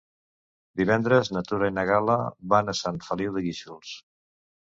Divendres na Tura i na Gal·la van a Sant Feliu de Guíxols.